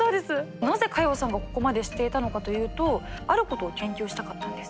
なぜ加用さんがここまでしていたのかというとあることを研究したかったんです。